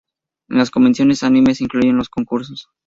En las convenciones anime se incluyen los concursos.